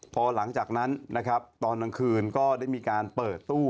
พอหลังจากนั้นนะครับตอนกลางคืนก็ได้มีการเปิดตู้